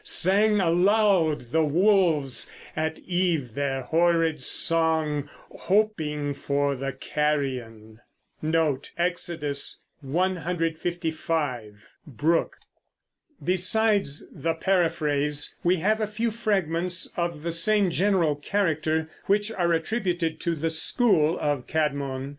Sang aloud the wolves At eve their horrid song, hoping for the carrion. Besides the Paraphrase we have a few fragments of the same general character which are attributed to the school of Cædmon.